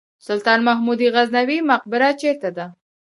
سلطان محمود غزنوي مقبره چیرته ده؟